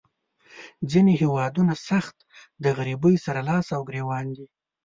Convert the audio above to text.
ځینې هیوادونه سخت د غریبۍ سره لاس او ګریوان دي.